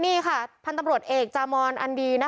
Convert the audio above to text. นี่ค่ะท่านตำรวจเอกจามอนอันดี